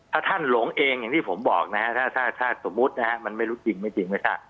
ถ้าท่านหลงเองอย่างที่ผมบอกถ้าสมมุติมันไม่รู้จริงไม่จริง